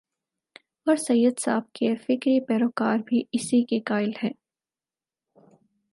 اورسید صاحب کے فکری پیرو کار بھی اسی کے قائل ہیں۔